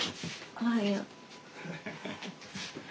おはよう。